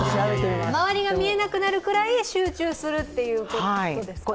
周りが見えなくなるぐらい集中するということですか。